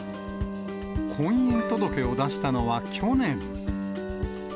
婚姻届を出したのは去年。